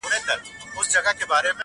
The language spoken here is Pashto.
لکه ناآرامه ماسوم شپه ورځ مسلسل ژاړي,